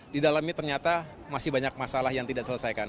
di dalamnya ternyata masih banyak masalah yang tidak selesaikan